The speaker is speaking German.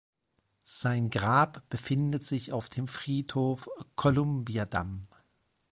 Sein Grab befindet sich auf dem Friedhof Columbiadamm.